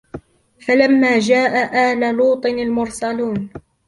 فلما جاء آل لوط المرسلون